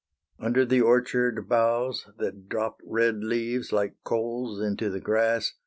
Under the orchard boughs, That drop red leaves like coals into the grass.